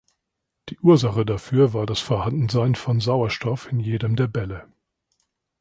Die Ursache dafür war das Vorhandensein von Sauerstoff in jedem der Bälle.